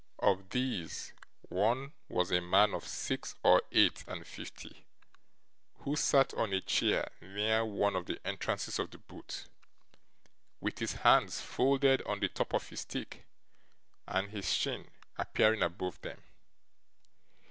Of these, one was a man of six or eight and fifty, who sat on a chair near one of the entrances of the booth, with his hands folded on the top of his stick, and his chin appearing above them.